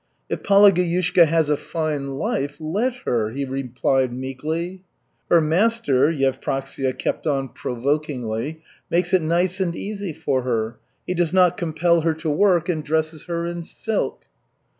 "If Palageyushka has a fine life, let her," he replied meekly. "Her master," Yevpraksia kept on provokingly, "makes it nice and easy for her, he does not compel her to work, and dresses her in silk."